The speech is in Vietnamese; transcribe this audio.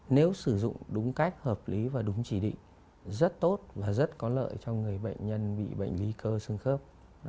nếu sử dụng đúng cách hợp lý và đúng chỉ định rất tốt và rất có lợi cho người bệnh nhân bị bệnh lý cơ xương khớp